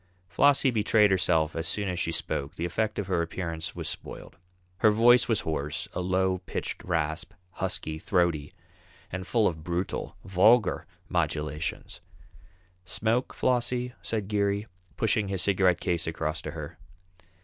Flossie betrayed herself as soon as she spoke, the effect of her appearance was spoiled. Her voice was hoarse, a low pitched rasp, husky, throaty, and full of brutal, vulgar modulations. "Smoke, Flossie?" said Geary, pushing his cigarette case across to her.